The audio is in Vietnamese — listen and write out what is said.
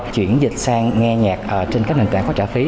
chuyển dịch sang nghe nhạc trên các nền tảng có trả phí